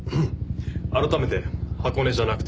改めて箱根じゃなくて湯本です。